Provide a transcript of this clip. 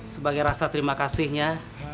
sebagai rasa terima kasihnya